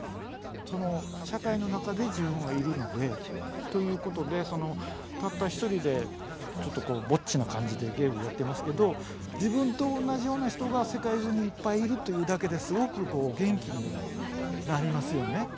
その社会の中で自分はいるので。ということでたった一人でちょっとぼっちな感じでゲームやってますけど自分と同じような人が世界中にいっぱいいるというだけですごく元気になりますよね。